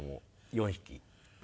４匹？